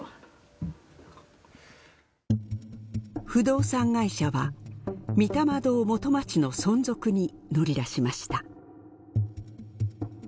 不動産会社は御霊堂元町の存続に乗り出しました。